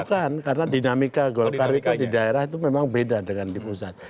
bukan karena dinamika golkar itu di daerah itu memang beda dengan di pusat